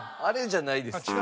あれじゃないです。